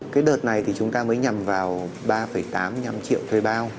cái đợt này thì chúng ta mới nhằm vào ba tám mươi năm triệu thuê bao